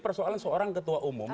persoalan seorang ketua umum